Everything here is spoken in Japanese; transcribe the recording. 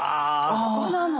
ここなの。